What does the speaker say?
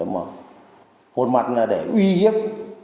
một mặt là để uy hiếp